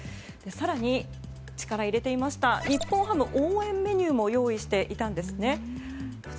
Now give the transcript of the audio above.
更に力を入れていました日本ハム応援メニューも用意していたんですね。